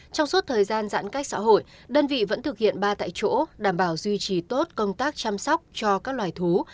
trong suốt thời gian giãn cách xã hội đơn vị vẫn thực hiện ba tại chỗ đảm bảo duy trì tốt công tác chăm sóc cho các loài thú